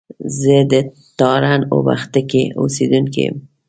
زه د تارڼ اوبښتکۍ اوسېدونکی يم